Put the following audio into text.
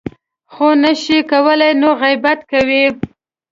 خو نه شي کولی نو غیبت کوي .